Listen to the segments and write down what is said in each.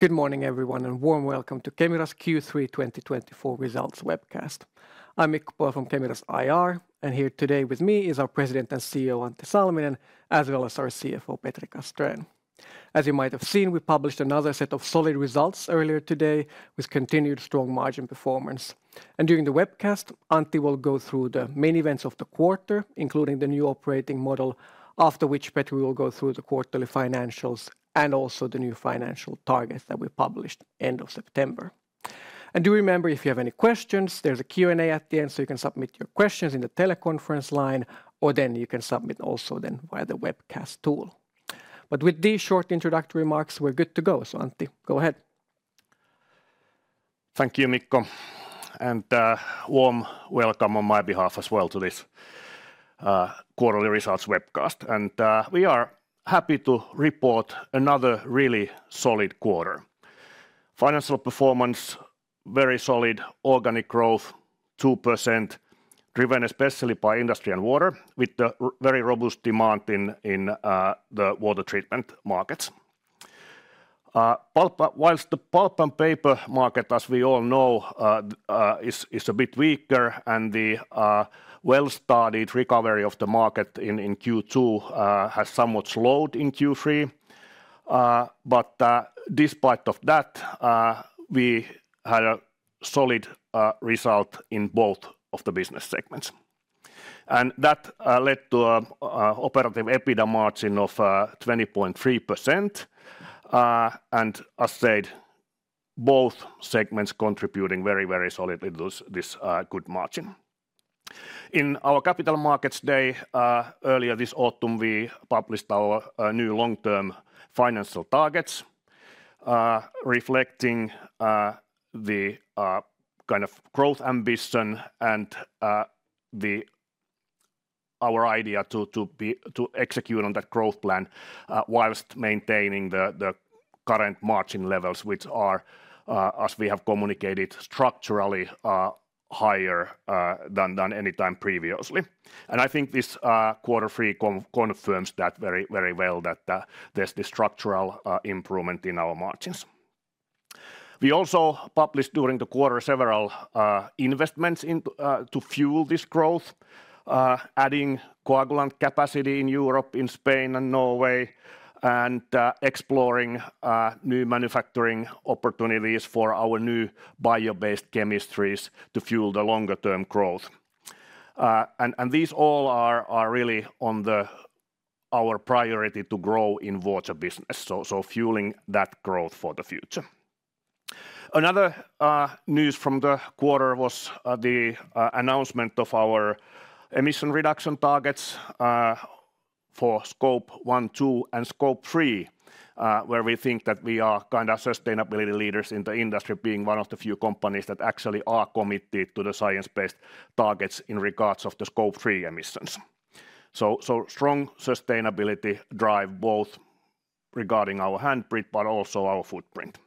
Good morning, everyone, and warm welcome to Kemira's Q3 2024 results webcast. I'm Mikko Pohja from Kemira's IR, and here today with me is our President and CEO, Antti Salminen, as well as our CFO, Petri Castrén. As you might have seen, we published another set of solid results earlier today with continued strong margin performance, and during the webcast, Antti will go through the main events of the quarter, including the new operating model, after which Petri will go through the quarterly financials and also the new financial targets that we published end of September, and do remember, if you have any questions, there's a Q&A at the end, so you can submit your questions in the teleconference line, or then you can submit also then via the webcast tool, but with these short introductory remarks, we're good to go, so Antti, go ahead. Thank you, Mikko, and warm welcome on my behalf as well to this quarterly results webcast. And we are happy to report another really solid quarter. Financial performance, very solid organic growth, 2%, driven especially by industry and water, with the very robust demand in the water treatment markets. Pulp, while the pulp and paper market, as we all know, is a bit weaker and the well-started recovery of the market in Q2 has somewhat slowed in Q3. But despite of that, we had a solid result in both of the business segments. And that led to operative EBITDA margin of 20.3%. And as said, both segments contributing very, very solidly to this good margin. In our Capital Markets Day earlier this autumn, we published our new long-term financial targets, reflecting the kind of growth ambition and our idea to execute on that growth plan, whilst maintaining the current margin levels, which are, as we have communicated, structurally higher than any time previously. I think this quarter three confirms that very, very well, that there's this structural improvement in our margins. We also published during the quarter several investments to fuel this growth, adding coagulant capacity in Europe, in Spain and Norway, and exploring new manufacturing opportunities for our new bio-based chemistries to fuel the longer-term growth. And these all are really on our priority to grow in water business, so fueling that growth for the future. Another news from the quarter was the announcement of our emission reduction targets for Scope one, two, and Scope three, where we think that we are kind of sustainability leaders in the industry, being one of the few companies that actually are committed to the science-based targets in regards of the Scope three emissions. So strong sustainability drive, both regarding our handprint but also our footprint.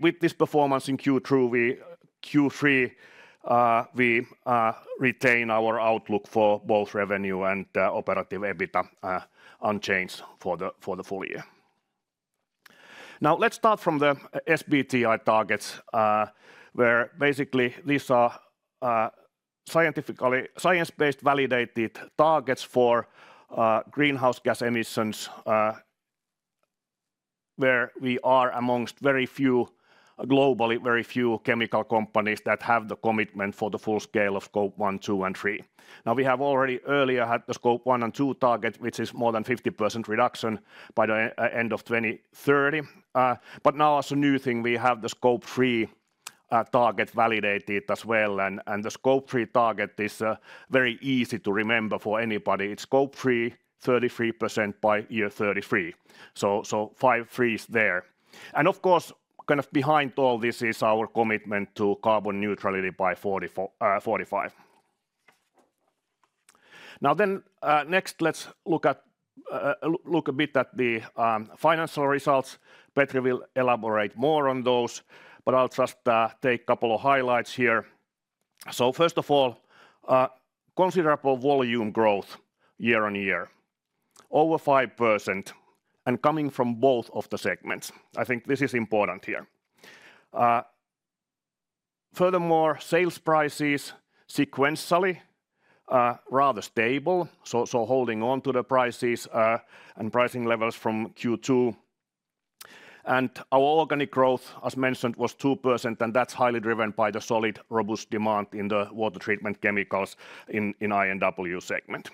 With this performance in Q2, Q3, we retain our outlook for both revenue and operative EBITDA unchanged for the full year. Now, let's start from the SBTi targets, where basically these are scientifically science-based validated targets for greenhouse gas emissions, where we are amongst very few, globally, very few chemical companies that have the commitment for the full scale of Scope one, two, and three. Now, we have already earlier had the Scope one and two target, which is more than 50% reduction by the end of 2030. But now, as a new thing, we have the Scope three target validated as well, and the Scope three target is very easy to remember for anybody. It's Scope three, 33% by year 2033, so five threes there. And of course, kind of behind all this is our commitment to carbon neutrality by 2045. Now then, next, let's look a bit at the financial results. Petri will elaborate more on those, but I'll just take a couple of highlights here. So first of all, considerable volume growth year on year, over 5%, and coming from both of the segments. I think this is important here. Furthermore, sales prices sequentially rather stable, so holding on to the prices and pricing levels from Q2. And our organic growth, as mentioned, was 2%, and that's highly driven by the solid, robust demand in the water treatment chemicals in I&W segment.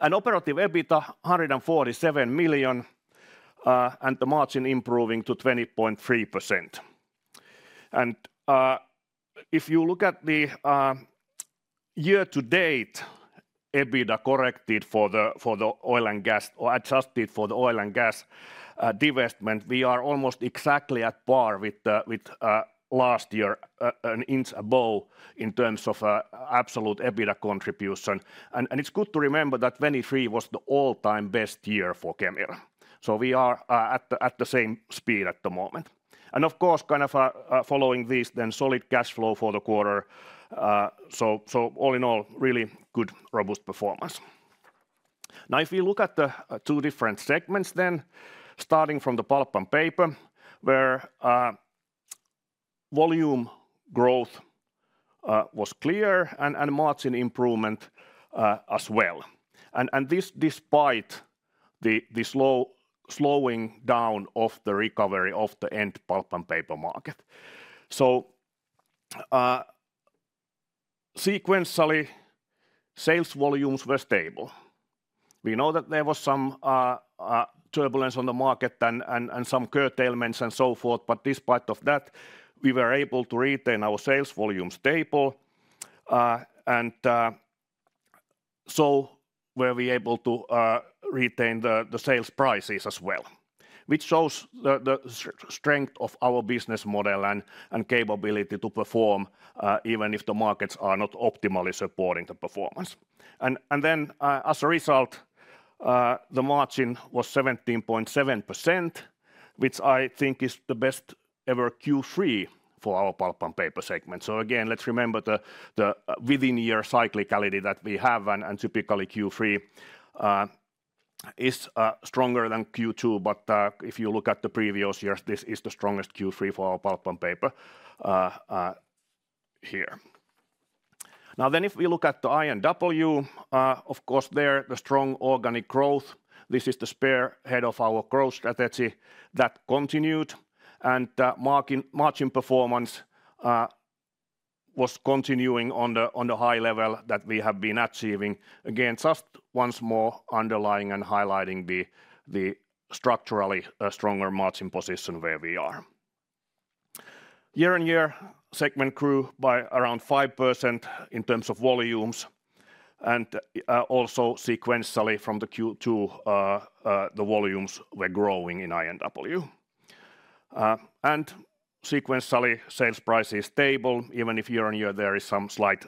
And operative EBITDA, 147 million, and the margin improving to 20.3%. If you look at the year to date, EBITDA corrected for the oil and gas or adjusted for the oil and gas divestment, we are almost exactly at par with last year, an inch above in terms of absolute EBITDA contribution. It's good to remember that 2023 was the all-time best year for Kemira, so we are at the same speed at the moment. Of course, following this, solid cash flow for the quarter. So all in all, really good, robust performance. Now, if we look at the two different segments, then starting from the pulp and paper, where volume growth was clear and margin improvement as well, and this despite the slowing down of the recovery of the end pulp and paper market, so sequentially, sales volumes were stable. We know that there was some turbulence on the market and some curtailments and so forth, but despite of that, we were able to retain our sales volume stable, and so were we able to retain the sales prices as well, which shows the strength of our business model and capability to perform even if the markets are not optimally supporting the performance. As a result, the margin was 17.7%, which I think is the best ever Q3 for our pulp and paper segment. Again, let's remember the within-year cyclicality that we have, and typically Q3 is stronger than Q2. If you look at the previous years, this is the strongest Q3 for our pulp and paper here. Now, if we look at the I&W, of course, there the strong organic growth, this is the spearhead of our growth strategy that continued. Margin performance was continuing on the high level that we have been achieving. Again, just once more underlying and highlighting the structurally stronger margin position where we are. Year on year, the segment grew by around 5% in terms of volumes, and also sequentially from the Q2, the volumes were growing in I&W, and sequentially, sales price is stable, even if year on year there is some slight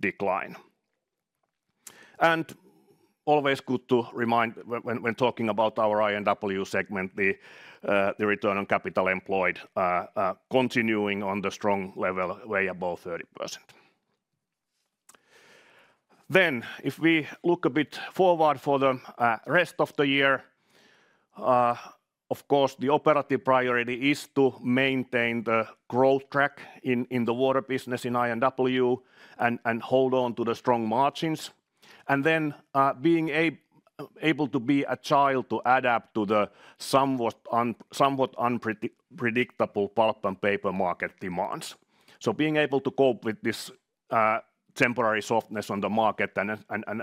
decline. It's always good to remind when talking about our I&W segment, the return on capital employed continuing on the strong level, way above 30%. If we look a bit forward for the rest of the year, of course, the operative priority is to maintain the growth track in the water business in I&W, and hold on to the strong margins, and then being able to be agile to adapt to the somewhat unpredictable pulp and paper market demands. Being able to cope with this temporary softness on the market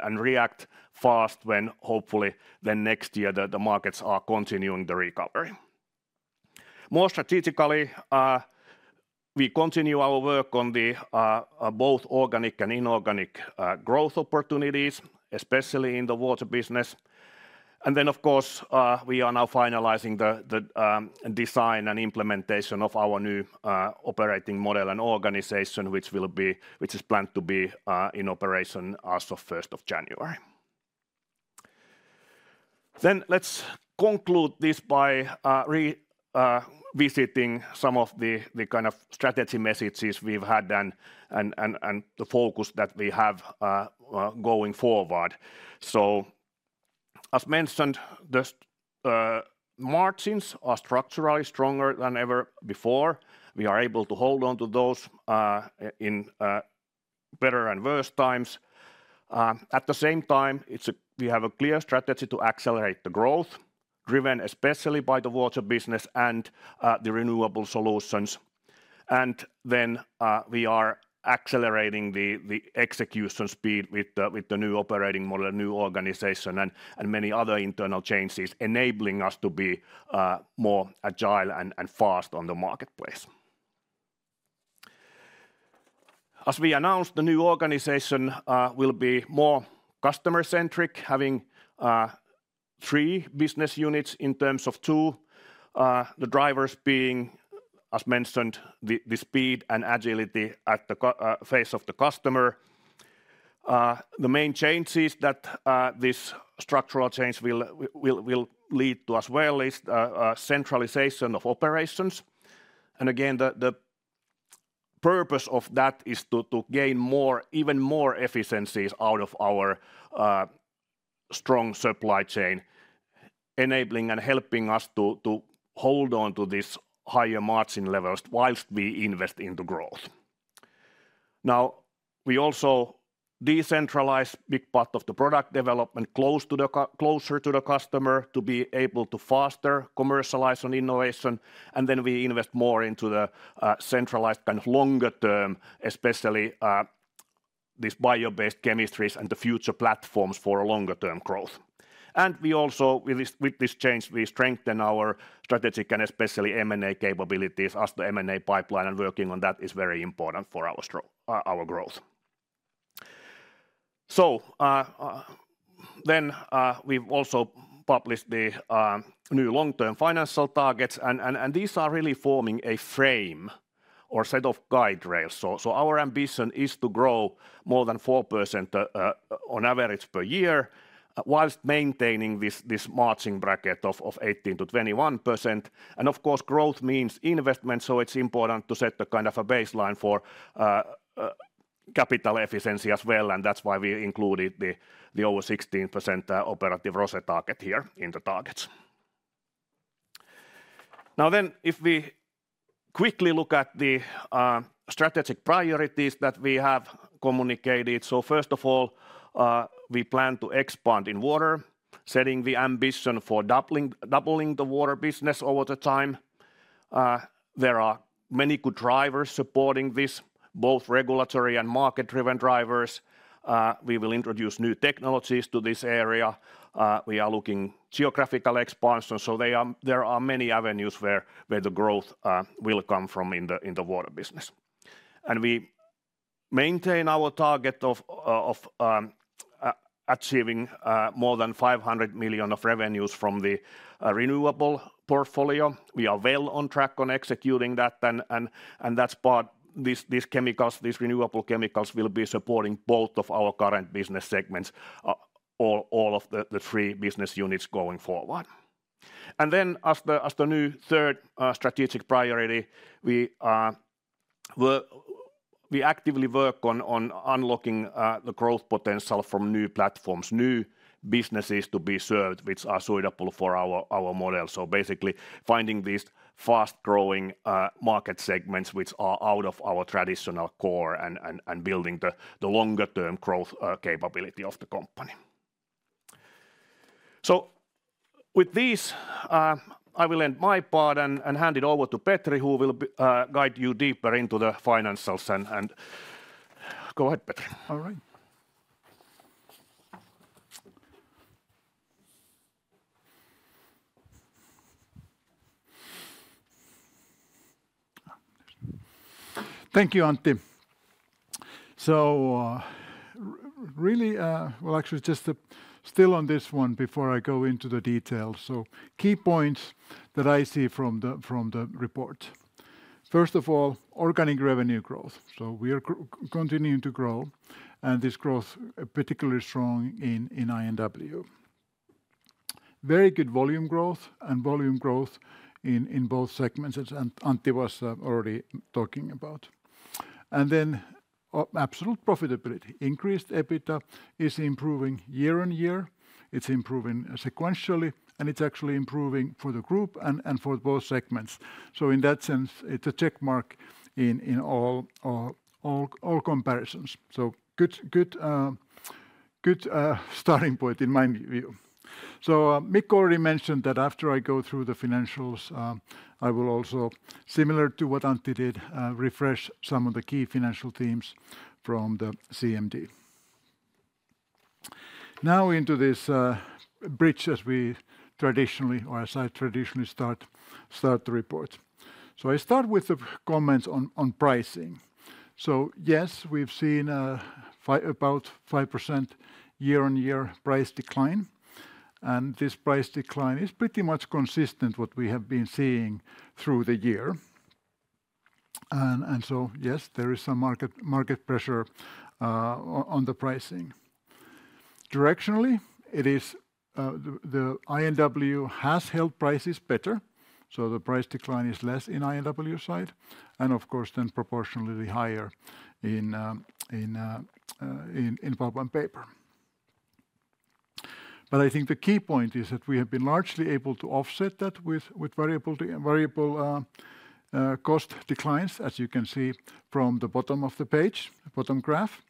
and react fast when hopefully then next year the markets are continuing the recovery. More strategically, we continue our work on the both organic and inorganic growth opportunities, especially in the water business. And then, of course, we are now finalizing the design and implementation of our new operating model and organization, which is planned to be in operation as of 1st of January. Then, let's conclude this by visiting some of the kind of strategy messages we've had and the focus that we have going forward. As mentioned, the margins are structurally stronger than ever before. We are able to hold on to those, in better and worse times. At the same time, it's. We have a clear strategy to accelerate the growth, driven especially by the water business and the renewable solutions. Then, we are accelerating the execution speed with the new operating model, new organization, and many other internal changes enabling us to be more agile and fast on the marketplace. As we announced, the new organization will be more customer-centric, having three business units in terms of two the drivers being, as mentioned, the speed and agility at the customer face of the customer. The main changes that this structural change will lead to as well is centralization of operations. And again, the purpose of that is to gain more, even more efficiencies out of our strong supply chain, enabling and helping us to hold on to these higher margin levels while we invest in the growth. Now, we also decentralize big part of the product development closer to the customer, to be able to faster commercialize on innovation, and then we invest more into the centralized, kind of, longer term, especially, these bio-based chemistries and the future platforms for a longer-term growth. And we also, with this change, we strengthen our strategic and especially M&A capabilities as the M&A pipeline, and working on that is very important for our strong growth. So, then, we've also published the new long-term financial targets, and these are really forming a frame-... or set of guide rails. So our ambition is to grow more than 4%, on average per year, while maintaining this margin bracket of 18%-21%. And of course, growth means investment, so it is important to set a kind of a baseline for capital efficiency as well, and that is why we included the over 16% operative ROCE target here in the targets. Now, then, if we quickly look at the strategic priorities that we have communicated. So first of all, we plan to expand in water, setting the ambition for doubling the water business over time. There are many good drivers supporting this, both regulatory and market-driven drivers. We will introduce new technologies to this area. We are looking geographical expansion, so there are many avenues where the growth will come from in the water business. And we maintain our target of achieving more than 500 million of revenues from the renewable portfolio. We are well on track on executing that then, and that's part... These renewable chemicals will be supporting both of our current business segments, all of the three business units going forward. And then as the new third strategic priority, we actively work on unlocking the growth potential from new platforms, new businesses to be served, which are suitable for our model. So basically, finding these fast-growing market segments which are out of our traditional core and building the longer-term growth capability of the company. So with this, I will end my part and hand it over to Petri, who will guide you deeper into the financials and go ahead, Petri. All right. Thank you, Antti. So really... Well, actually just still on this one before I go into the details. Key points that I see from the report. First of all, organic revenue growth. We are continuing to grow, and this growth are particularly strong in I&W. Very good volume growth, and volume growth in both segments, as Antti was already talking about. And then absolute profitability. Increased EBITDA is improving year on year, it's improving sequentially, and it's actually improving for the group and for both segments. So in that sense, it's a check mark in all comparisons. Good starting point in my view. Mikko already mentioned that after I go through the financials, I will also, similar to what Antti did, refresh some of the key financial themes from the CMD. Now into this bridge as we traditionally, or as I traditionally start the report. I start with the comments on pricing. Yes, we've seen about 5% year-on-year price decline, and this price decline is pretty much consistent with what we have been seeing through the year. So yes, there is some market pressure on the pricing. Directionally, it is the I&W has held prices better, so the price decline is less in I&W side, and of course, then proportionally higher in Pulp & Paper. But I think the key point is that we have been largely able to offset that with variable cost declines, as you can see from the bottom of the page, bottom graph,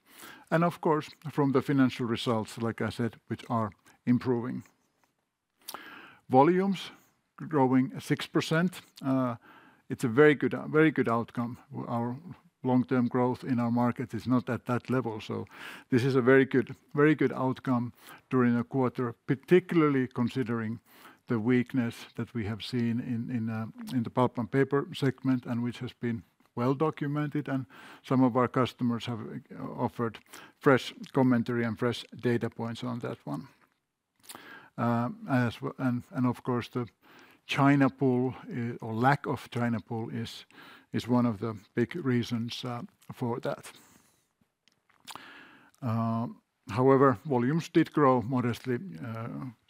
and of course, from the financial results, like I said, which are improving. Volumes growing 6%, it's a very good, very good outcome. Our long-term growth in our market is not at that level, so this is a very good, very good outcome during the quarter, particularly considering the weakness that we have seen in the pulp and paper segment, and which has been well documented, and some of our customers have offered fresh commentary and fresh data points on that one. As well, and of course, the China pulp, or lack of China pulp is one of the big reasons for that. However, volumes did grow modestly,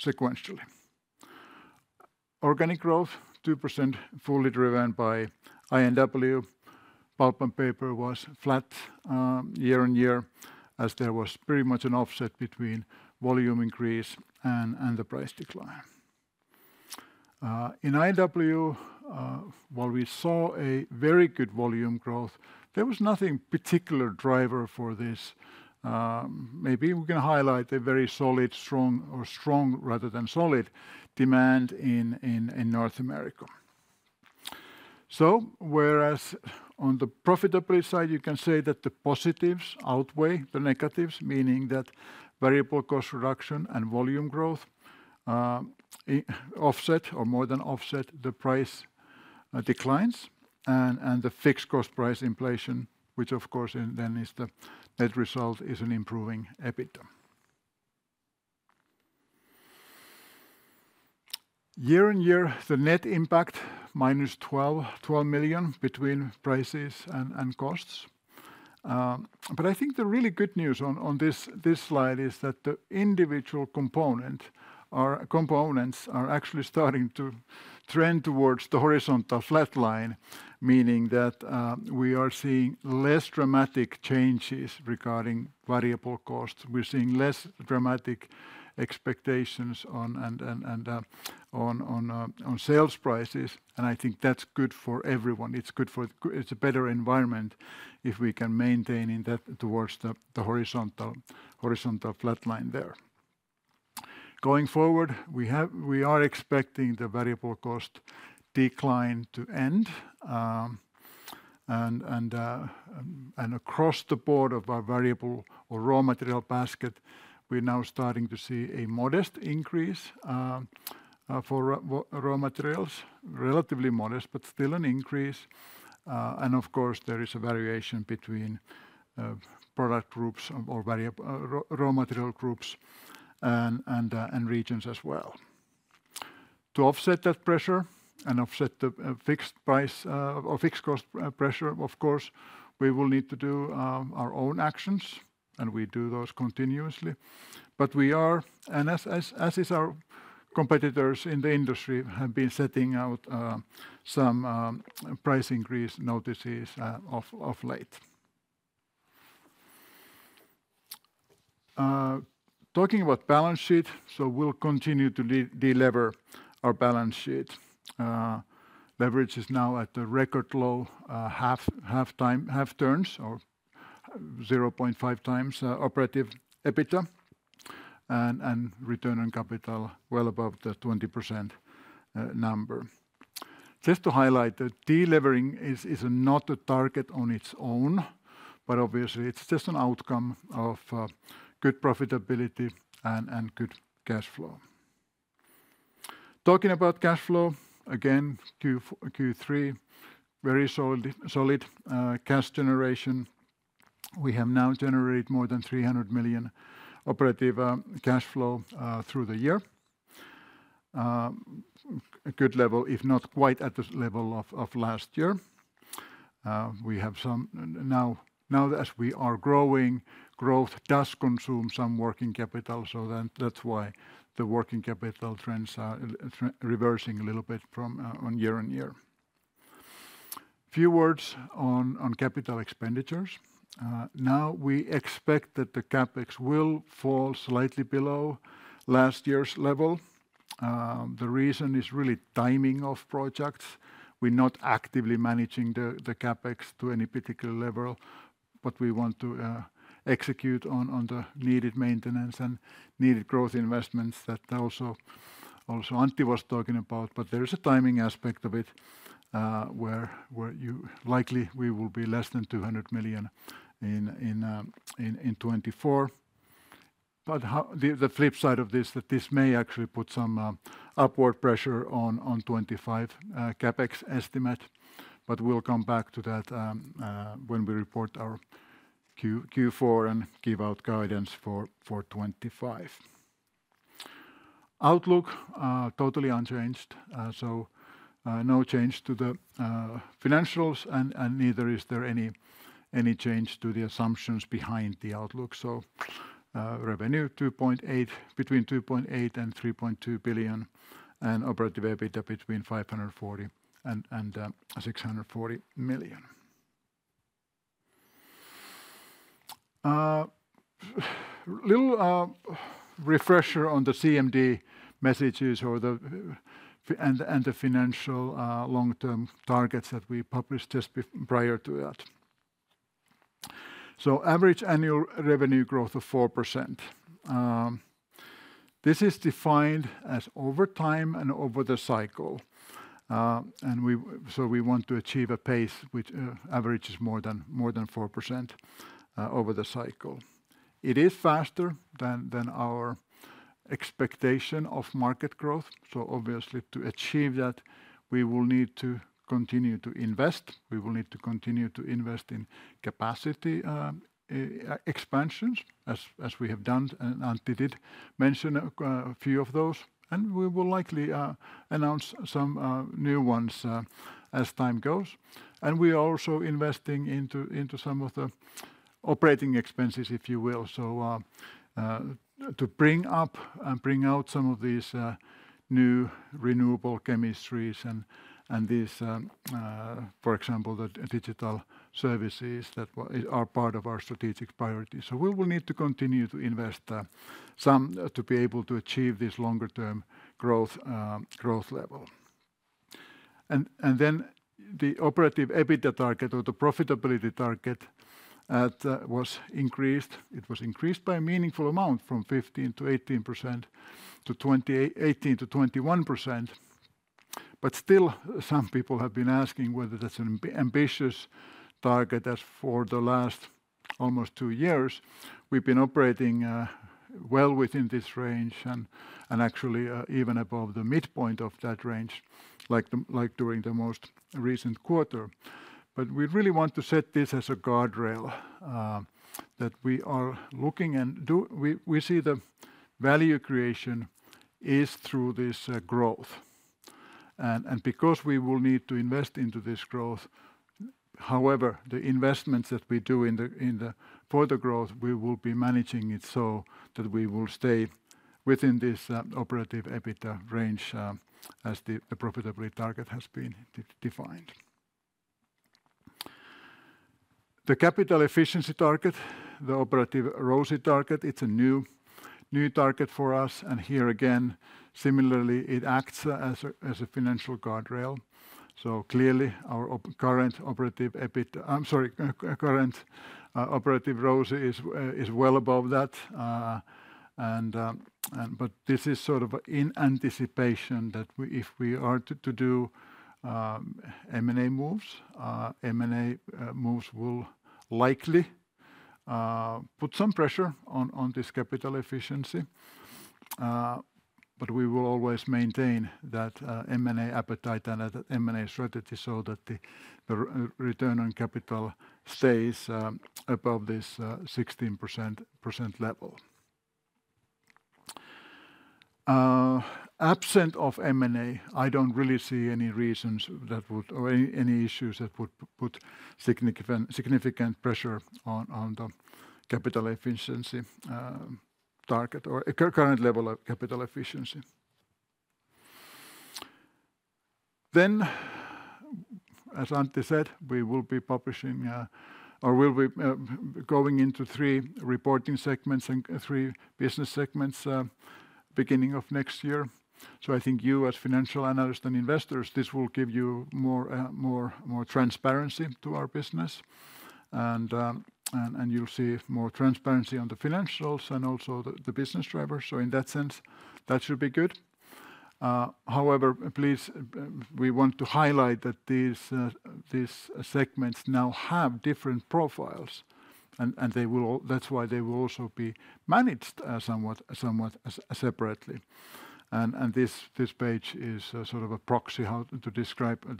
sequentially. Organic growth, 2%, fully driven by I&W. Pulp & Paper was flat, year on year, as there was pretty much an offset between volume increase and the price decline. In I&W, while we saw a very good volume growth, there was nothing particular driver for this. Maybe we can highlight a very solid, strong, or strong rather than solid demand in North America. Whereas on the profitability side, you can say that the positives outweigh the negatives, meaning that variable cost reduction and volume growth offset or more than offset the price declines and the fixed cost price inflation, which of course then is the net result, is an improving EBITDA. Year on year, the net impact minus 12-12 million between prices and costs. But I think the really good news on this slide is that the individual component or components are actually starting to trend towards the horizontal flat line, meaning that we are seeing less dramatic changes regarding variable costs. We're seeing less dramatic expectations on sales prices, and I think that's good for everyone. It's a better environment if we can maintain that towards the horizontal flat line there. Going forward, we are expecting the variable cost decline to end, and across the board of our variable or raw material basket, we're now starting to see a modest increase for raw materials. Relatively modest, but still an increase, and of course, there is a variation between product groups or variable raw material groups and regions as well. To offset that pressure and offset the fixed price or fixed cost pressure, of course, we will need to do our own actions, and we do those continuously. But we are... As our competitors in the industry have been setting out some price increase notices of late. Talking about balance sheet, so we'll continue to delever our balance sheet. Leverage is now at a record low, 0.5 times operative EBITDA, and return on capital well above the 20% number. Just to highlight, the delevering is not a target on its own, but obviously it's just an outcome of good profitability and good cash flow. Talking about cash flow, again, Q3 very solid cash generation. We have now generated more than 300 million operative cash flow through the year. A good level, if not quite at the level of last year. We have some... Now, now, as we are growing, growth does consume some working capital, so then that's why the working capital trends are reversing a little bit from on year on year. Few words on capital expenditures. Now, we expect that the CapEx will fall slightly below last year's level. The reason is really timing of projects. We're not actively managing the CapEx to any particular level, but we want to execute on the needed maintenance and needed growth investments that Antti was talking about. But there is a timing aspect of it, where you likely we will be less than 200 million in 2024. But how... The flip side of this, that this may actually put some upward pressure on 2025 CapEx estimate, but we'll come back to that when we report our Q4 and give out guidance for 2025. Outlook totally unchanged, so no change to the financials, and neither is there any change to the assumptions behind the outlook. Revenue 2.8, between 2.8 billion and 3.2 billion, and operative EBITDA between 540 million and 640 million. A little refresher on the CMD messages or the financial long-term targets that we published just prior to that. Average annual revenue growth of 4%. This is defined as over time and over the cycle. We want to achieve a pace which averages more than 4% over the cycle. It is faster than our expectation of market growth. Obviously, to achieve that, we will need to continue to invest. We will need to continue to invest in capacity expansions, as we have done, and Antti did mention a few of those, and we will likely announce some new ones as time goes, and we are also investing into some of the operating expenses, if you will, to bring up and bring out some of these new renewable chemistries and these, for example, the digital services that are part of our strategic priorities. So we will need to continue to invest some to be able to achieve this longer-term growth level. And then the operative EBITDA target or the profitability target was increased. It was increased by a meaningful amount, from 15-18% to 18-21%. But still, some people have been asking whether that's an ambitious target, as for the last almost two years, we've been operating well within this range and actually even above the midpoint of that range, like during the most recent quarter. But we really want to set this as a guardrail that we are looking, and we do see the value creation is through this growth. Because we will need to invest into this growth, however, the investments that we do in the for the growth, we will be managing it so that we will stay within this operative EBITDA range, as the profitability target has been defined. The capital efficiency target, the operative ROCE target, it's a new target for us, and here again, similarly, it acts as a financial guardrail. Clearly, our current operative ROCE is well above that. But this is sort of in anticipation that we if we are to do M&A moves, M&A moves will likely put some pressure on this capital efficiency. But we will always maintain that M&A appetite and that M&A strategy so that the return on capital stays above this 16% level. Absent of M&A, I don't really see any reasons that would or any issues that would put significant pressure on the capital efficiency target or current level of capital efficiency. As Antti said, we will be publishing or we'll be going into three reporting segments and three business segments beginning of next year. I think you, as financial analysts and investors, this will give you more transparency to our business, and you'll see more transparency on the financials and also the business drivers. In that sense, that should be good. However, please, we want to highlight that these segments now have different profiles, and they will all be managed somewhat separately. That's why they will also be managed somewhat separately. And this page is sort of a proxy how to describe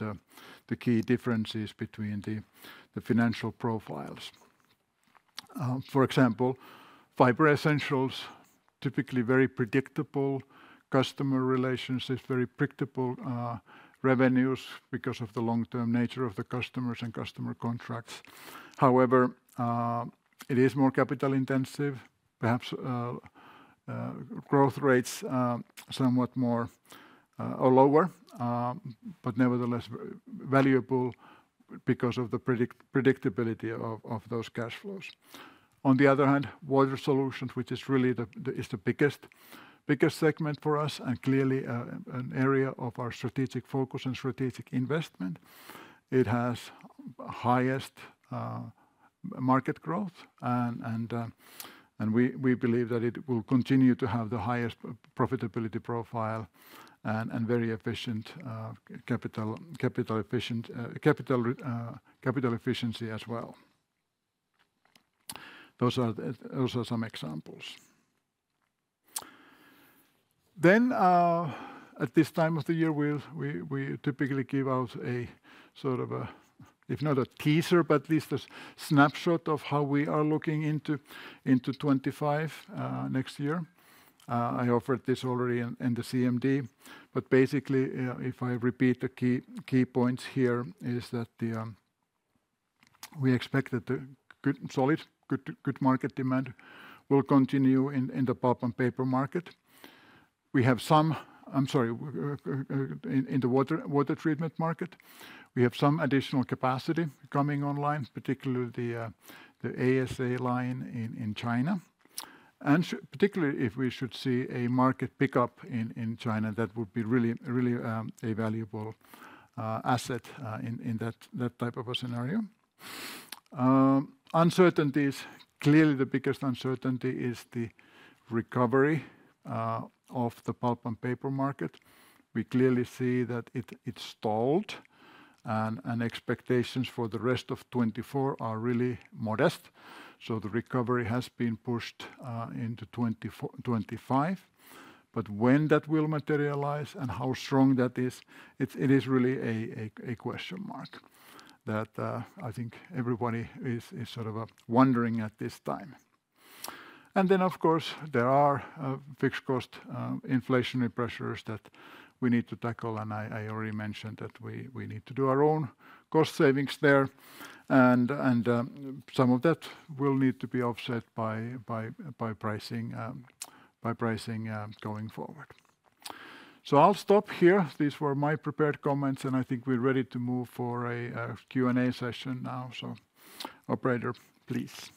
the key differences between the financial profiles. For example, Fiber Essentials typically very predictable customer relationships, very predictable revenues because of the long-term nature of the customers and customer contracts. However, it is more capital intensive, perhaps, growth rates somewhat more or lower, but nevertheless, valuable because of the predictability of those cash flows. On the other hand, Water Solutions, which is really the biggest segment for us and clearly an area of our strategic focus and strategic investment. It has highest market growth, and we believe that it will continue to have the highest profitability profile and very efficient capital efficient capital efficiency as well. Those are some examples. At this time of the year, we typically give out a sort of a, if not a teaser, but at least a snapshot of how we are looking into 2025, next year. I offered this already in the CMD, but basically, if I repeat the key points here, is that we expect that the good solid good market demand will continue in the pulp and paper market. We have some... I'm sorry, in the water treatment market, we have some additional capacity coming online, particularly the ASA line in China. And particularly, if we should see a market pickup in China, that would be really a valuable asset in that type of a scenario. Uncertainties, clearly, the biggest uncertainty is the recovery of the pulp and paper market. We clearly see that it stalled, and expectations for the rest of 2024 are really modest, so the recovery has been pushed into 2025. But when that will materialize and how strong that is, it is really a question mark that I think everybody is sort of wondering at this time. And then, of course, there are fixed cost inflationary pressures that we need to tackle, and I already mentioned that we need to do our own cost savings there. And some of that will need to be offset by pricing, by pricing going forward. So I'll stop here. These were my prepared comments, and I think we're ready to move for a Q&A session now. So operator, please.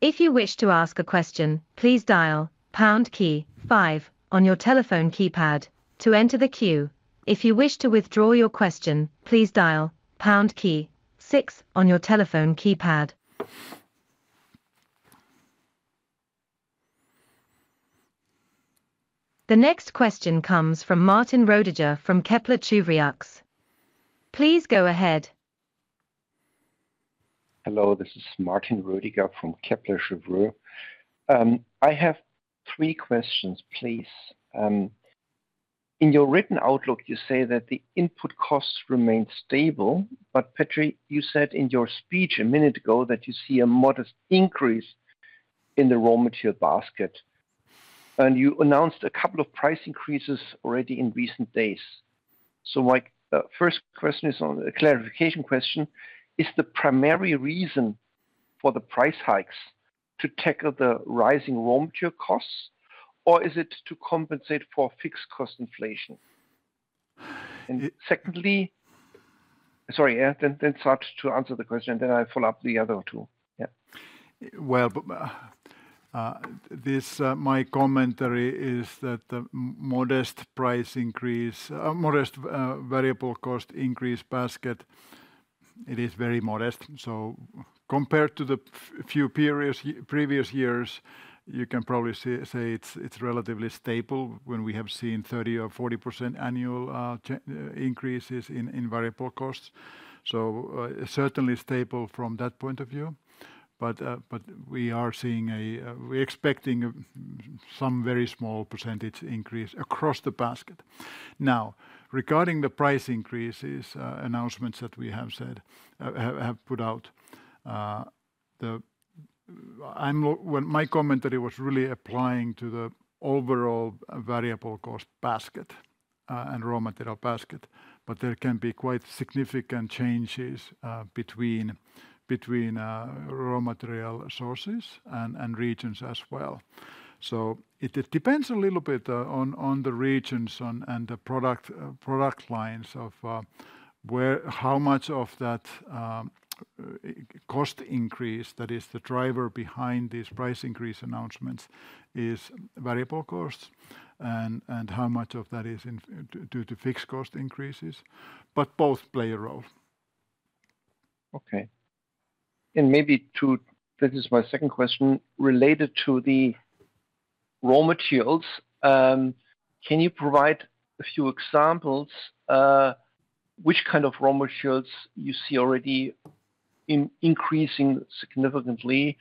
If you wish to ask a question, please dial pound key five on your telephone keypad to enter the queue. If you wish to withdraw your question, please dial pound key six on your telephone keypad. The next question comes from Martin Roediger from Kepler Cheuvreux. Please go ahead. ... Hello, this is Martin Roediger from Kepler Cheuvreux. I have three questions, please. In your written outlook, you say that the input costs remain stable. But Petri, you said in your speech a minute ago that you see a modest increase in the raw material basket, and you announced a couple of price increases already in recent days. So my first question is on a clarification question: Is the primary reason for the price hikes to tackle the rising raw material costs, or is it to compensate for fixed cost inflation? And secondly... Sorry, yeah, then start to answer the question, then I follow up the other two. Yeah. My commentary is that the modest price increase, modest variable cost increase basket, it is very modest. So compared to the few periods previous years, you can probably say it's, it's relatively stable when we have seen 30% or 40% annual increases in variable costs. So certainly stable from that point of view. But we are seeing a... We're expecting some very small percentage increase across the basket. Now, regarding the price increases announcements that we have said have put out, well, my commentary was really applying to the overall variable cost basket and raw material basket, but there can be quite significant changes between raw material sources and regions as well. So it depends a little bit on the regions and the product lines of where how much of that cost increase that is the driver behind these price increase announcements is variable costs, and how much of that is due to fixed cost increases, but both play a role. Okay, and maybe two, this is my second question related to the raw materials. Can you provide a few examples, which kind of raw materials you see already increasing significantly,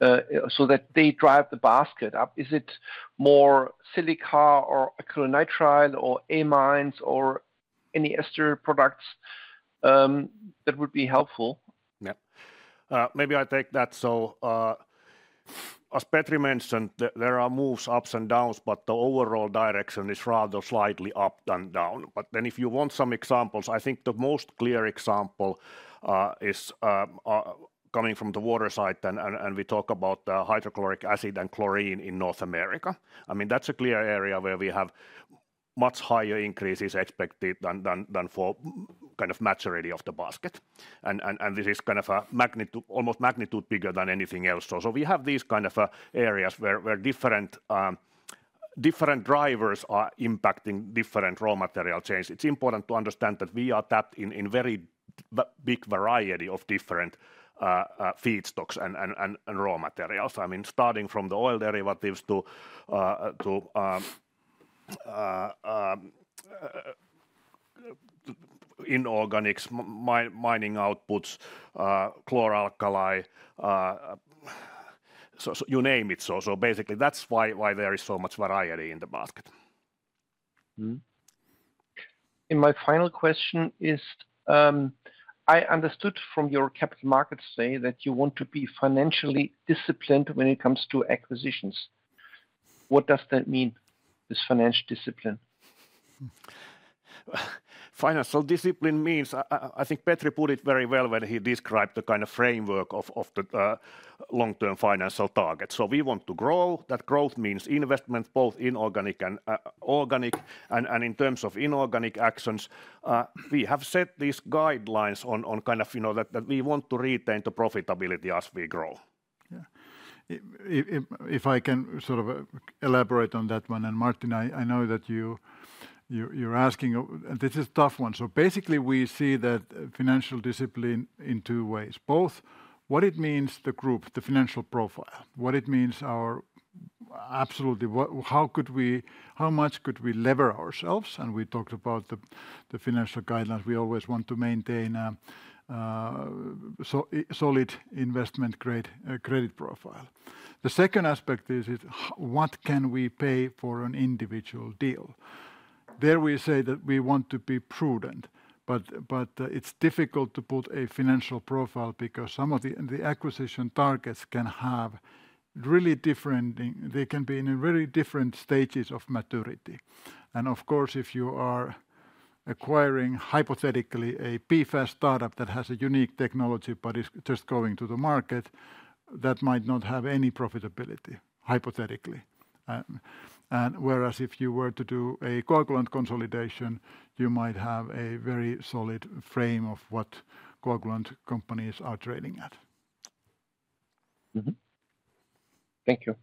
so that they drive the basket up? Is it more silica, or acrylonitrile, or amines, or any ester products? That would be helpful. Yeah. Maybe I take that. So, as Petri mentioned, there are moves, ups and downs, but the overall direction is rather slightly up than down. But then if you want some examples, I think the most clear example is coming from the water side, and we talk about hydrochloric acid and chlorine in North America. I mean, that's a clear area where we have much higher increases expected than for kind of maturity of the basket. And this is kind of a magnitude, almost magnitude bigger than anything else. So we have these kind of areas where different drivers are impacting different raw material chains. It's important to understand that we are tapped in very big variety of different feedstocks and raw materials. I mean, starting from the oil derivatives to inorganics, mining outputs, chloralkali, so you name it. So basically, that's why there is so much variety in the basket. Mm-hmm. My final question is, I understood from your Capital Markets Day that you want to be financially disciplined when it comes to acquisitions. What does that mean, this financial discipline? Financial discipline means. I think Petri put it very well when he described the kind of framework of the long-term financial target. So we want to grow. That growth means investment, both inorganic and organic. And in terms of inorganic actions, we have set these guidelines on kind of, you know, that we want to retain the profitability as we grow. Yeah. If I can sort of elaborate on that one, and Martin, I know that you, you're asking... This is a tough one. So basically, we see that financial discipline in two ways, both what it means, the group, the financial profile, what it means are absolutely what how could we how much could we leverage ourselves? And we talked about the financial guidelines. We always want to maintain a solid investment grade credit profile. The second aspect is what can we pay for an individual deal? There we say that we want to be prudent, but it's difficult to put a financial profile because some of the acquisition targets can have really different thing. They can be in a very different stages of maturity. And of course, if you are acquiring, hypothetically, a PFAS startup that has a unique technology but is just going to the market, that might not have any profitability, hypothetically. And whereas if you were to do a coagulant consolidation, you might have a very solid frame of what coagulant companies are trading at. Mm-hmm. Thank you.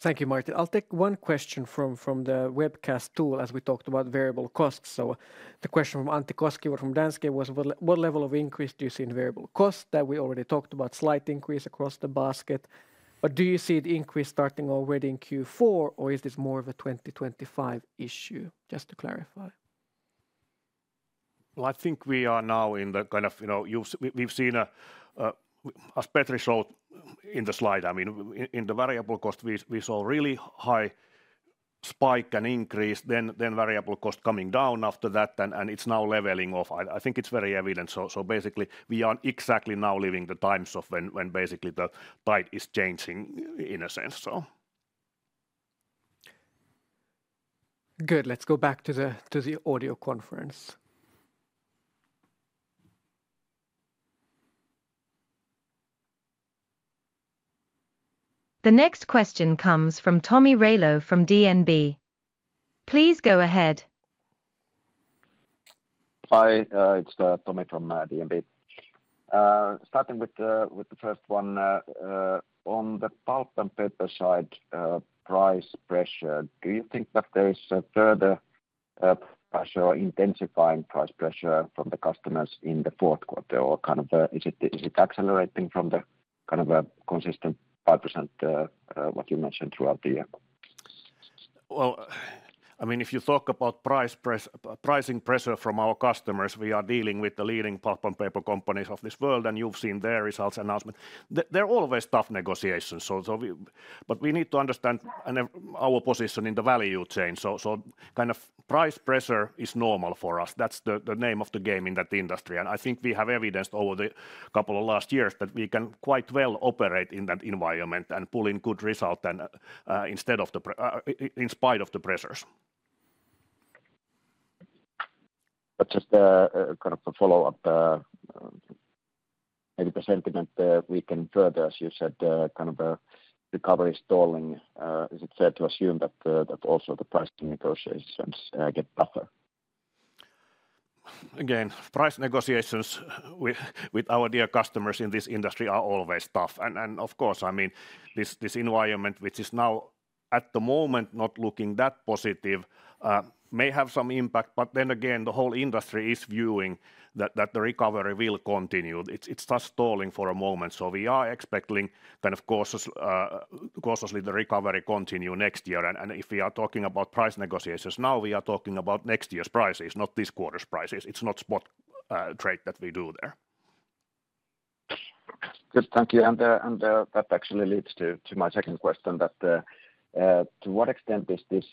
Thank you, Martin. I'll take one question from the webcast, too, as we talked about variable costs. So the question from Antti Kosk or from Danske was: What level of increase do you see in variable cost that we already talked about, slight increase across the basket, but do you see the increase starting already in Q4, or is this more of a twenty twenty-five issue? Just to clarify. I think we are now in the kind of, you know, we've seen a, as Petri showed in the slide, I mean, in the variable cost, we saw really high spike and increase, then variable cost coming down after that, and it's now leveling off. I think it's very evident. So basically, we are exactly now living the times of when basically the tide is changing in a sense, so. Good. Let's go back to the audio conference. The next question comes from Tomi Railo from DNB. Please go ahead. Hi, it's Tomi from DNB. Starting with the first one, on the pulp and paper side, price pressure, do you think that there is a further pressure or intensifying price pressure from the customers in the fourth quarter? Or kind of, is it accelerating from the kind of a consistent 5% what you mentioned throughout the year? I mean, if you talk about pricing pressure from our customers, we are dealing with the leading pulp and paper companies of this world, and you've seen their results announcement. They're always tough negotiations, so we need to understand our position in the value chain. Kind of price pressure is normal for us. That's the name of the game in that industry. I think we have evidenced over the couple of last years that we can quite well operate in that environment and pull in good results in spite of the pressures. But just a kind of a follow-up, maybe the sentiment we can further, as you said, kind of a recovery stalling. Is it fair to assume that also the pricing negotiations get tougher? Again, price negotiations with our dear customers in this industry are always tough. And, of course, I mean, this environment, which is now at the moment, not looking that positive, may have some impact. But then again, the whole industry is viewing that the recovery will continue. It's just stalling for a moment. So we are expecting kind of cautiously the recovery continue next year. And if we are talking about price negotiations now, we are talking about next year's prices, not this quarter's prices. It's not spot trade that we do there. Good, thank you. That actually leads to my second question, to what extent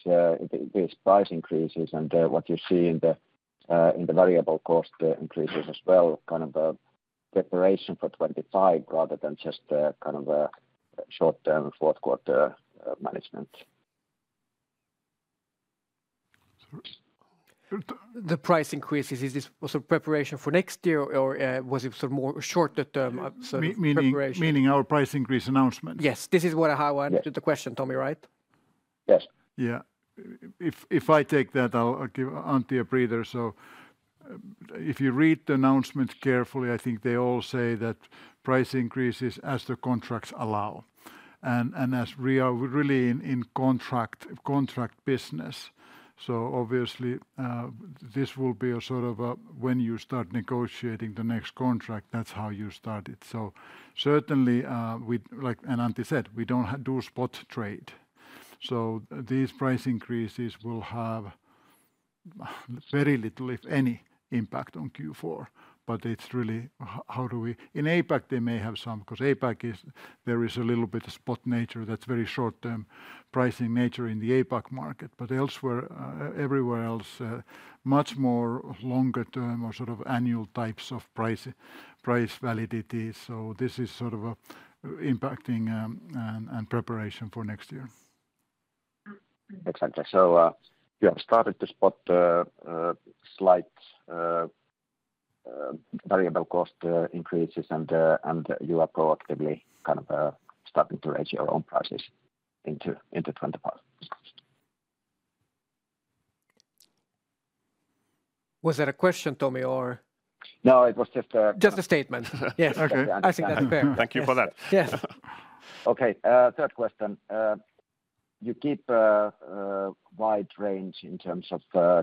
are these price increases and what you see in the variable cost increases as well kind of a preparation for 2025 rather than just a kind of a short-term fourth quarter management? The price increases, is this also preparation for next year, or was it sort of more shorter term, sort of preparation? Meaning our price increase announcement? Yes. This is what I want the question, Tomi, right? Yes. Yeah. If I take that, I'll give Antti a breather. So, if you read the announcement carefully, I think they all say that price increases as the contracts allow, and as we are really in contract business. So obviously, this will be a sort of a when you start negotiating the next contract, that's how you start it. So certainly, we-- like, and Antti said, we don't do spot trade. So these price increases will have very little, if any, impact on Q4. But it's really how do we... In APAC, they may have some, 'cause APAC is there is a little bit of spot nature that's very short-term pricing nature in the APAC market. But elsewhere, everywhere else, much more longer term or sort of annual types of price, price validity. So this is sort of impacting and preparation for next year. Exactly. So, you have started to spot slight variable cost increases, and you are proactively kind of starting to raise your own prices into twenty-five. Was that a question, Tomi, or? No, it was just a- Just a statement. Yes, okay. Understood. I think that's fair. Thank you for that. Okay, third question. You keep a wide range in terms of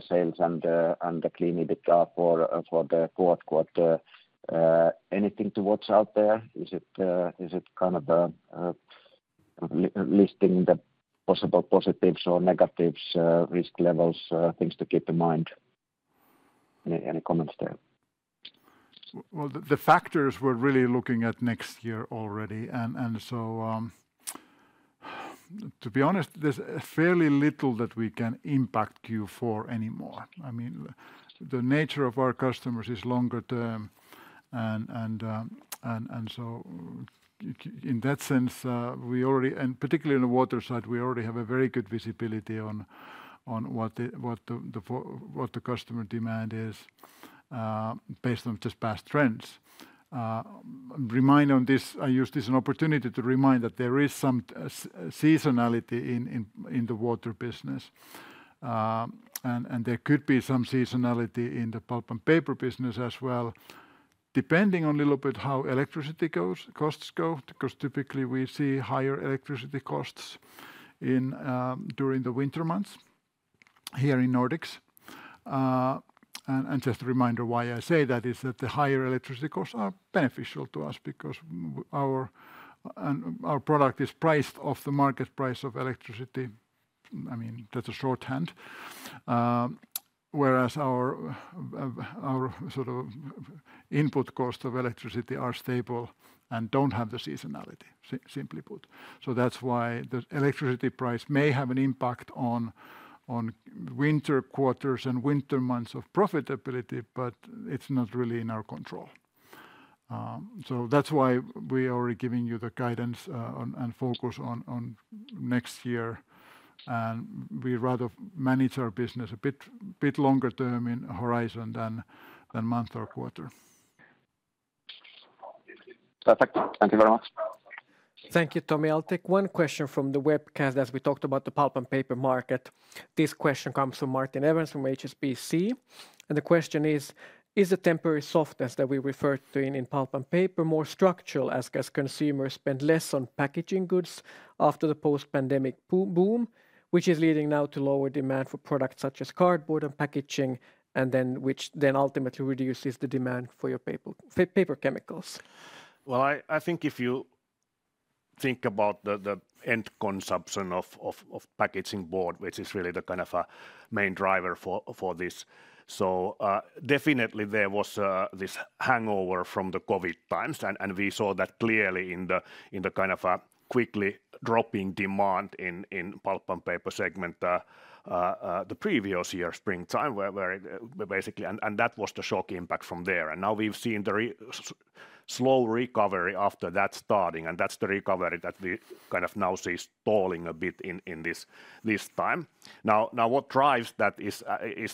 sales and the clean EBITDA for the fourth quarter. Anything to watch out there? Is it kind of listing the possible positives or negatives, risk levels, things to keep in mind? Any comments there? Well, the factors we're really looking at next year already. And so, to be honest, there's fairly little that we can impact Q4 anymore. I mean, the nature of our customers is longer term, and so in that sense, we already. And particularly in the water side, we already have a very good visibility on what the customer demand is, based on just past trends. Remind on this, I use this as an opportunity to remind that there is some seasonality in the water business. And there could be some seasonality in the pulp and paper business as well, depending on little bit how electricity goes, costs go, because typically we see higher electricity costs during the winter months here in Nordics. And just a reminder, why I say that is that the higher electricity costs are beneficial to us because our product is priced off the market price of electricity.... I mean, that's a shorthand. Whereas our input cost of electricity are stable and don't have the seasonality, simply put. So that's why the electricity price may have an impact on winter quarters and winter months of profitability, but it's not really in our control. So that's why we are giving you the guidance on and focus on next year, and we rather manage our business a bit longer term in horizon than month or quarter. Perfect. Thank you very much. Thank you, Tomi. I'll take one question from the webcast as we talked about the pulp and paper market. This question comes from Martin Evans from HSBC, and the question is: Is the temporary softness that we referred to in pulp and paper more structural as consumers spend less on packaging goods after the post-pandemic boom, which is leading now to lower demand for products such as cardboard and packaging, and then which ultimately reduces the demand for your paper chemicals? I think if you think about the end consumption of packaging board, which is really the kind of a main driver for this. Definitely there was this hangover from the COVID times, and we saw that clearly in the kind of a quickly dropping demand in pulp and paper segment the previous year, springtime, where basically that was the shock impact from there. Now we've seen the slow recovery after that starting, and that's the recovery that we kind of now see stalling a bit in this time. Now what drives that is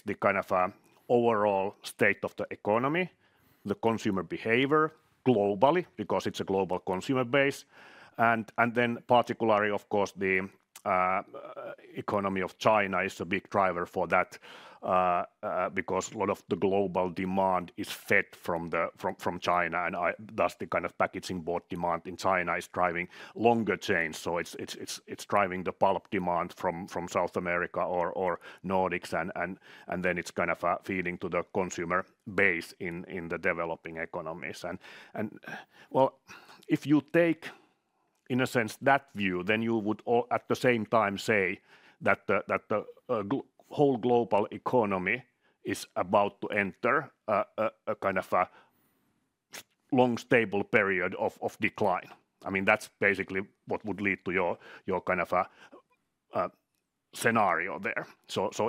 the kind of overall state of the economy, the consumer behavior globally, because it's a global consumer base. Then particularly, of course, the economy of China is a big driver for that, because a lot of the global demand is fed from China, and thus, the kind of packaging board demand in China is driving longer chains. So it's driving the pulp demand from South America or Nordics, and then it's kind of feeding to the consumer base in the developing economies. Well, if you take, in a sense, that view, then you would also at the same time say that the whole global economy is about to enter a kind of a long, stable period of decline. I mean, that's basically what would lead to your kind of a scenario there.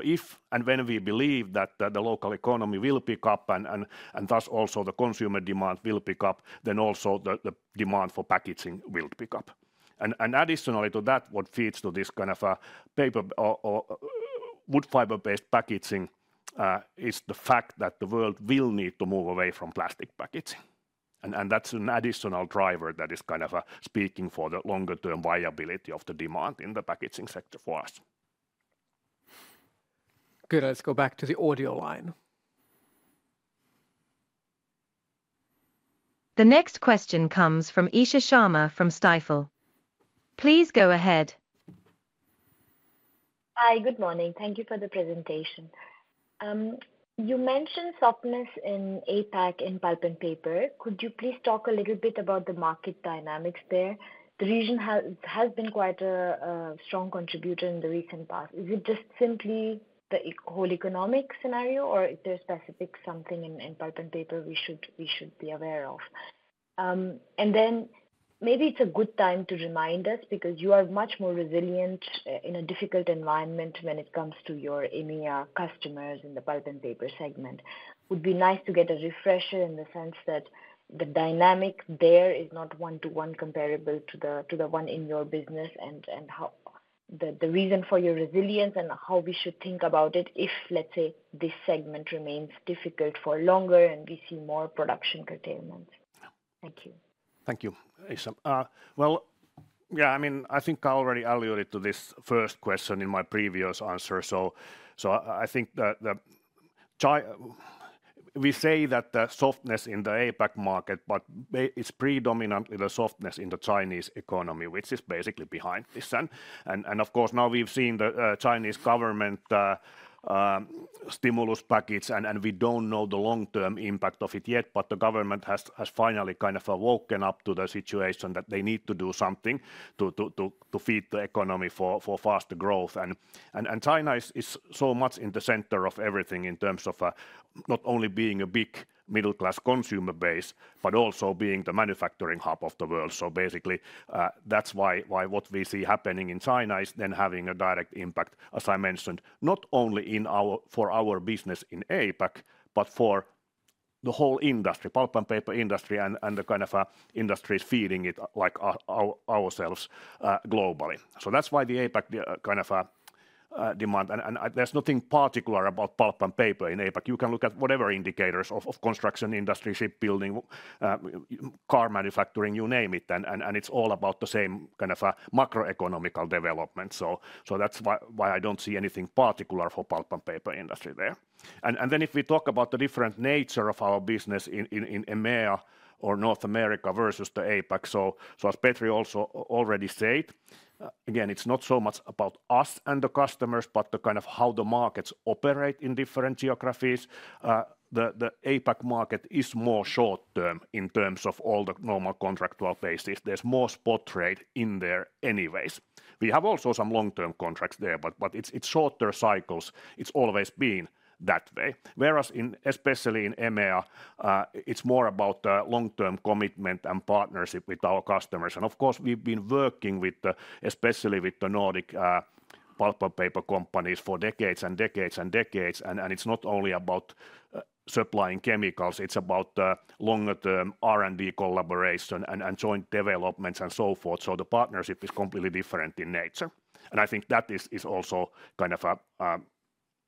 If and when we believe that the local economy will pick up, and thus also the consumer demand will pick up, then also the demand for packaging will pick up. Additionally to that, what feeds to this kind of a paper or wood fiber-based packaging is the fact that the world will need to move away from plastic packaging, and that's an additional driver that is kind of a speaking for the longer term viability of the demand in the packaging sector for us. Good. Let's go back to the audio line. The next question comes from Isha Sharma from Stifel. Please go ahead. Hi, good morning. Thank you for the presentation. You mentioned softness in APAC, in pulp and paper. Could you please talk a little bit about the market dynamics there? The region has been quite a strong contributor in the recent past. Is it just simply the whole economic scenario, or is there specific something in pulp and paper we should be aware of? And then maybe it's a good time to remind us, because you are much more resilient in a difficult environment when it comes to your EMEA customers in the pulp and paper segment. Would be nice to get a refresher in the sense that the dynamic there is not one to one comparable to the one in your business, and how... The reason for your resilience and how we should think about it, if, let's say, this segment remains difficult for longer and we see more production curtailment. Thank you. Thank you, Isha. Well, yeah, I mean, I think I already alluded to this first question in my previous answer. I think we say that the softness in the APAC market, but it's predominantly the softness in the Chinese economy, which is basically behind this then. And of course, now we've seen the Chinese government stimulus package, and we don't know the long-term impact of it yet, but the government has finally kind of awoken up to the situation that they need to do something to feed the economy for faster growth. And China is so much in the center of everything in terms of not only being a big middle-class consumer base, but also being the manufacturing hub of the world. So basically, that's why what we see happening in China is then having a direct impact, as I mentioned, not only for our business in APAC, but for the whole industry, pulp and paper industry, and the kind of industries feeding it, like ourselves, globally. That's why the APAC kind of demand. There's nothing particular about pulp and paper in APAC. You can look at whatever indicators of construction, industry, shipbuilding, car manufacturing, you name it, and it's all about the same kind of a macroeconomic development. That's why I don't see anything particular for pulp and paper industry there. If we talk about the different nature of our business in EMEA or North America versus the APAC, so as Petri also already said, again, it's not so much about us and the customers, but the kind of how the markets operate in different geographies. The APAC market is more short-term in terms of all the normal contractual basis. There's more spot trade in there anyways. We have also some long-term contracts there, but it's shorter cycles. It's always been that way. Whereas in, especially in EMEA, it's more about the long-term commitment and partnership with our customers. And of course, we've been working with the, especially with the Nordic pulp and paper companies for decades and decades and decades, and it's not only about supplying chemicals, it's about longer term R&D collaboration and joint developments, and so forth. So the partnership is completely different in nature, and I think that is also kind of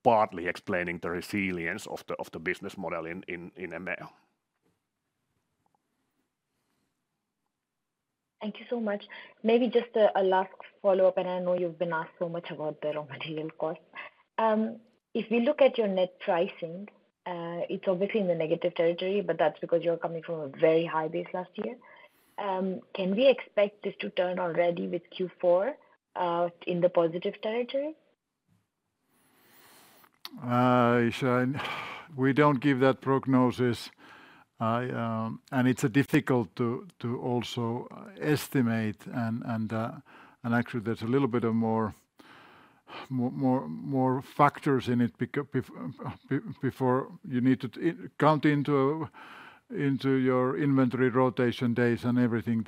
partly explaining the resilience of the business model in mills. Thank you so much. Maybe just a last follow-up, and I know you've been asked so much about the raw material costs. If we look at your net pricing, it's obviously in the negative territory, but that's because you're coming from a very high base last year. Can we expect this to turn already with Q4 in the positive territory? So we don't give that prognosis. And it's difficult to also estimate and actually there's a little bit more factors in it because before you need to count into your inventory rotation days and everything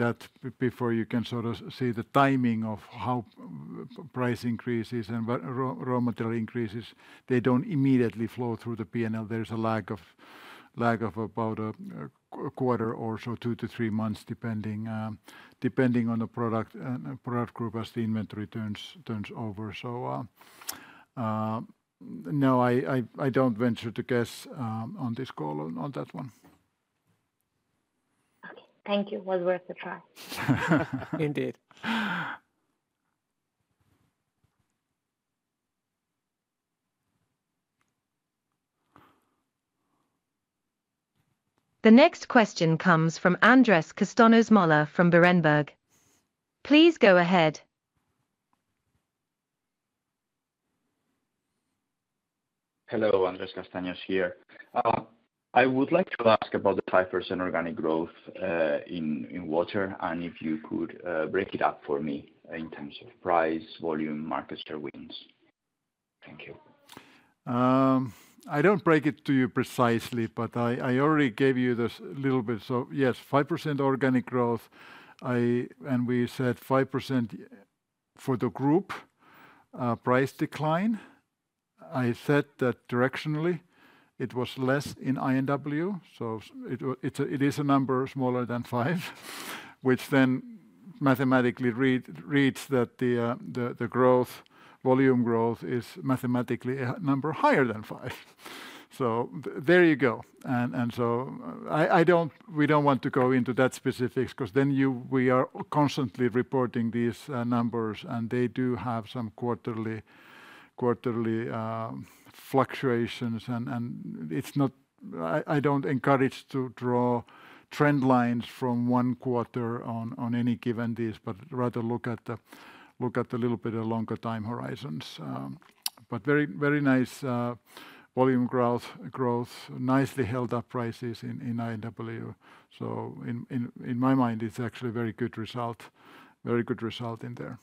before you can sort of see the timing of how price increases and raw material increases, they don't immediately flow through the P&L. There's a lag of about a quarter or so, two to three months, depending on the product and product group as the inventory turns over. No, I don't venture to guess on this call on that one. Okay. Thank you. It was worth a try. Indeed. The next question comes from Andres Castanos-Molla from Berenberg. Please go ahead. Hello, Andres Castanos-Molla here. I would like to ask about the 5% organic growth in Water, and if you could break it up for me in terms of price, volume, market share wins. Thank you. I don't break it to you precisely, but I already gave you this little bit. So yes, 5% organic growth. And we said 5% for the group, price decline. I said that directionally it was less in I&W, so it is a number smaller than five which then mathematically reads that the growth, volume growth is mathematically a number higher than five. So there you go. And so I, we don't want to go into that specifics, 'cause then we are constantly reporting these numbers, and they do have some quarterly fluctuations. And it's not. I don't encourage to draw trend lines from one quarter on any given days, but rather look at the little bit of longer time horizons. But very, very nice volume growth. Nicely held up prices in I&W. So in my mind, it's actually a very good result in there.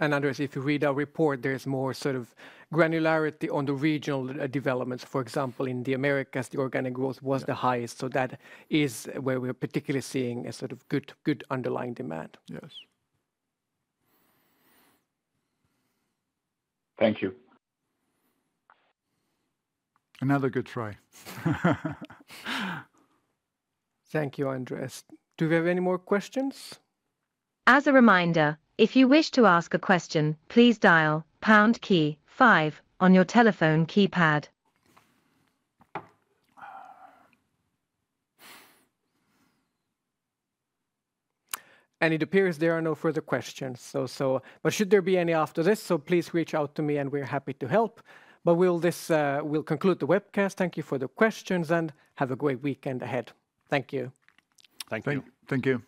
And Andres, if you read our report, there is more sort of granularity on the regional developments. For example, in the Americas, the organic growth was the highest- Yeah... so that is where we're particularly seeing a sort of good underlying demand. Yes. Thank you. Another good try. Thank you, Andres. Do we have any more questions? As a reminder, if you wish to ask a question, please dial pound key five on your telephone keypad. It appears there are no further questions, so but should there be any after this, so please reach out to me, and we're happy to help, but we'll this. We'll conclude the webcast. Thank you for the questions, and have a great weekend ahead. Thank you. Thank you. Thank you.